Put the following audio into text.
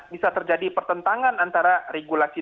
bisa terjadi pertentangan antara regulasi